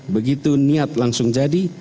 begitu niat langsung jadi